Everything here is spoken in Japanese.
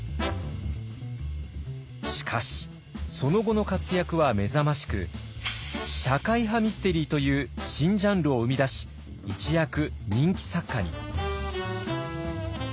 しかしその後の活躍は目覚ましく社会派ミステリーという新ジャンルを生み出し一躍人気作家に。